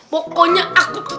pokoknya aku tetep